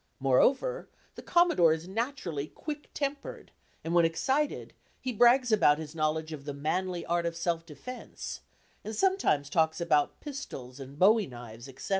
Moreover, the Commodore is naturally quick tempered, and when excited, he brags about his knowledge of "the manly art of self defence," and sometimes talks about pistols and bowie knives, etc.